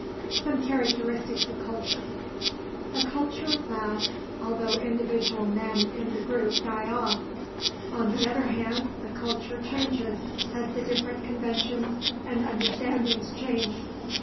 SOME CHARACTERISTICS OF CULTURE A culture lasts, although individual men in the group die off. On the other hand, a culture changes as the different conventions and understandings change.